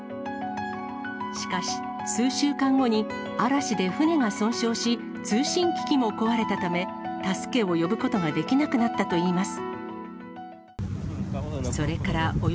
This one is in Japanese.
しかし、数週間後に嵐で船が損傷し、通信機器も壊れたため、助けを呼ぶことができなくなったといいます。